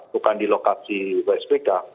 bukan di lokasi wsbk